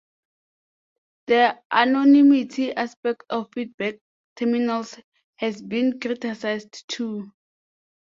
The anonymity aspect of feedback terminals has been criticized too.